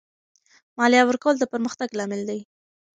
مالیه ورکول د پرمختګ لامل دی.